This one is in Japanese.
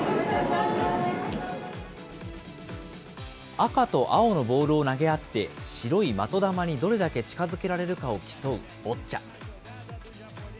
赤と青のボールを投げ合って、白い的球にどれだけ近づけられるかを競うボッチャ。